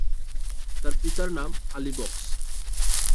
তার পিতার নাম আলী বক্স।